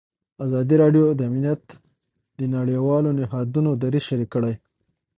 ازادي راډیو د امنیت د نړیوالو نهادونو دریځ شریک کړی.